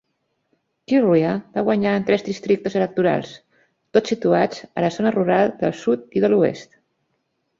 Kilrea va guanyar en tres districtes electorals, tots situats a la zona rural del sud i de l'oest.